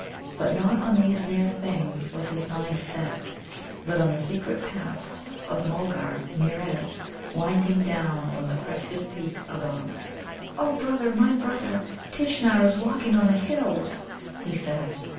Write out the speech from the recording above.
But not on these near things was his mind set, but on the secret paths of Mulgarmeerez, winding down from the crested peak above. "O brother, my brother! Tishnar is walking on the hills," he said.